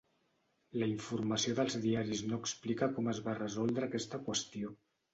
La informació dels diaris no explica com es va resoldre aquesta qüestió.